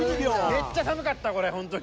「めっちゃ寒かったこれ本当に」